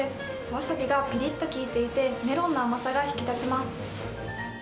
わさびがぴりっと効いていて、メロンの甘さが引き立ちます。